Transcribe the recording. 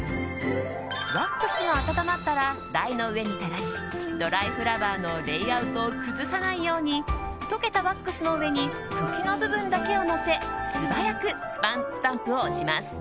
ワックスが温まったら台の上に垂らしドライフラワーのレイアウトを崩さないように溶けたワックスの上に茎の部分だけをのせ素早くスタンプを押します。